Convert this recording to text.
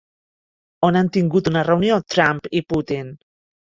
On han tingut una reunió Trump i Putin?